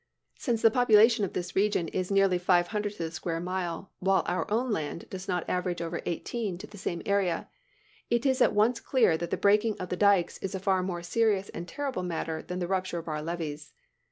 Since the population of this region is nearly five hundred to the square mile, while our own land does not average over eighteen to the same area, it is at once clear that the breaking of the dykes is a far more serious and terrible matter than the rupture of our levees.